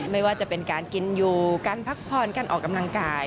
ไม่ว่าจะเป็นการกินอยู่การพักผ่อนการออกกำลังกาย